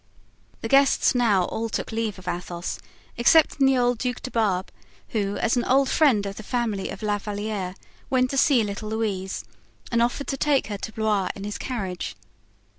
The guests now all took leave of Athos, excepting the old Duc de Barbe, who, as an old friend of the family of La Valliere, went to see little Louise and offered to take her to Blois in his carriage.